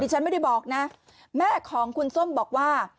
ฉันไม่ได้บอกนะแม่ของคุณส้มบอกว่า